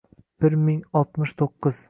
bir ming oltmish to’qqiz